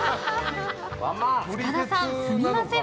塚田さん、すみません。